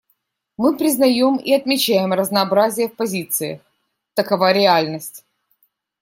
Мы признаем и отмечаем разнообразие в позициях: такова реальность.